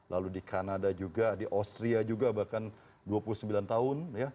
lalu di kanada juga di austria juga bahkan dua puluh sembilan tahun